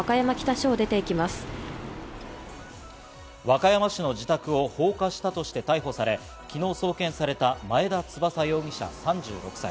和歌山市の自宅を放火したとして逮捕され、昨日送検された前田翼容疑者、３６歳。